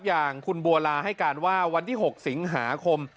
อย่างคุณบัวลาให้การว่าวันที่๖สิงหาคม